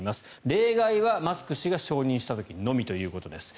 例外はマスク氏が承認した時のみということです。